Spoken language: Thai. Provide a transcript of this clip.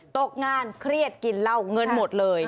ตกงานเครียดกินเหล้าเงินหมดเลย